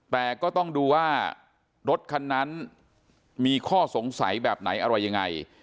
แต่ก็ต้องดูว่ารถคันนั้นมีข้อสงสัยแบบไหนอะไรยังไง